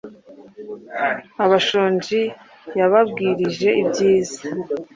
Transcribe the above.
abashonji yabagwirije ibyiza